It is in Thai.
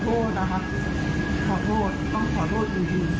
โทษนะคะขอโทษต้องขอโทษจริง